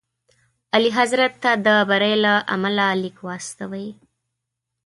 اعلیحضرت ته د بري له امله لیک واستوئ.